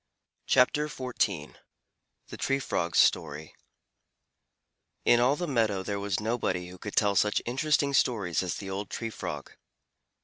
THE TREE FROG'S STORY In all the meadow there was nobody who could tell such interesting stories as the old Tree Frog.